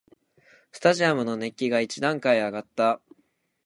スタジアムの熱気が一段階あがった